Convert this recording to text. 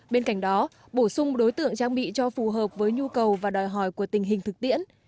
bên cạnh đó bổ sung đối tượng trang bị cho phù hợp với nhu cầu và đòi hỏi của tình hình thực tiễn